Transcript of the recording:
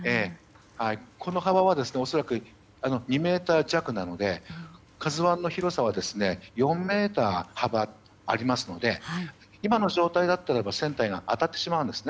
この幅は恐らく２ｍ弱なので「ＫＡＺＵ１」の広さは４ｍ、幅がありますので今の状態だったらば船体が当たってしまうんです。